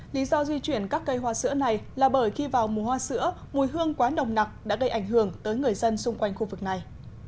lý do di chuyển các cây hoa sữa này là bởi khi vào mùa hoa sữa mùi hương quá nồng nặc đã gây ảnh hưởng tới người dân xung quanh khu vực này